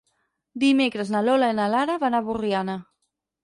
Dimecres na Lola i na Lara van a Borriana.